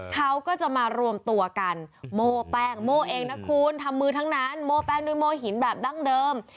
เขาก็จะมารวมตัวกันโม่แป้งโม่เองนะคุณทำมือทั้งนั้นโม้แป้งด้วยโม่หินแบบดั้งเดิม